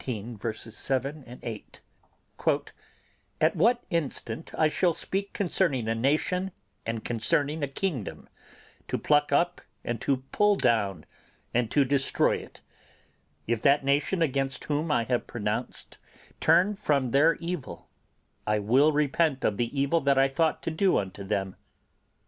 7, 8): 'At what instant I shall speak concerning a nation, and concerning a kingdom, to pluck up, and to pull down, and to destroy it; if that nation against whom I have pronounced turn from their evil, I will repent of the evil that I thought to do unto them.